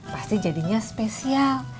pasti jadinya spesial